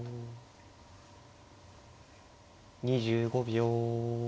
２５秒。